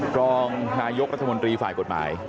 รองนายกรัฐมนตรีฝ่ายกฎหมาย